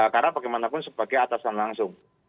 karena bagaimanapun sebagai atasan langsung